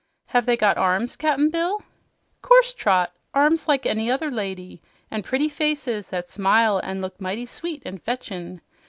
"Have they got arms, Cap'n Bill?" "'Course, Trot; arms like any other lady. An' pretty faces that smile an' look mighty sweet an' fetchin'.